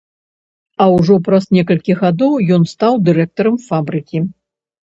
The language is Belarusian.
А ўжо праз некалькі гадоў ён стаў дырэктарам фабрыкі.